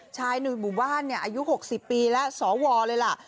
ชายหนุ่มบ้านอายุ๖๐ปีแล้วสวเลยล่ะ